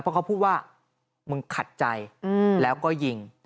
เพราะเขาพูดว่ามึงขัดใจแล้วก็ยิง